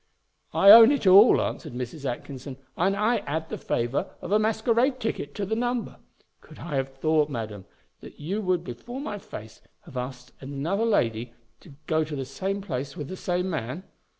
"I own it all," answered Mrs. Atkinson; "and I add the favour of a masquerade ticket to the number. Could I have thought, madam, that you would before my face have asked another lady to go to the same place with the same man?